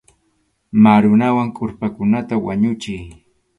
Marunawan kʼurpakunata wañuchiy.